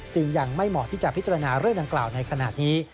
จึงยังไม่เหมาะที่จะพิจารณาเรื่องดังกล่าวในขณะนี้